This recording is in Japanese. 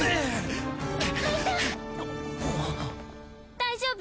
大丈夫？